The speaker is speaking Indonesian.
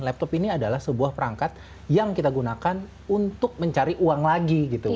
laptop ini adalah sebuah perangkat yang kita gunakan untuk mencari uang lagi gitu